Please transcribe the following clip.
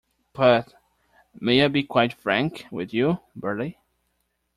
But — may I be quite frank with you, Bertie?